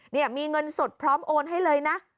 นี่มีเงินสดพร้อมโอนให้เลยนะ